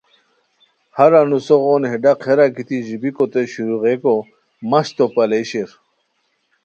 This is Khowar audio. ہر انوسو غون ہے ڈق ہیرا گیتی ژیبیکوتے شروغیکو مہچ تو پالئے شیر